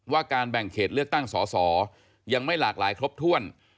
การแบ่งเขตเลือกตั้งสอสอยังไม่หลากหลายครบถ้วน